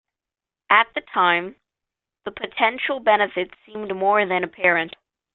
At the time, the potential benefits seemed more than apparent.